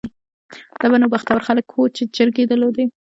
دا به نو بختور خلک وو چې چرګۍ یې درلوده.